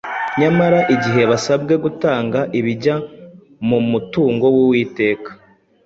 Nyamara igihe basabwe gutanga ibijya mu mutungo w’Uwiteka